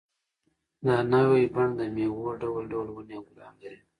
دا نوی بڼ د مېوو ډول ډول ونې او ګلان لري.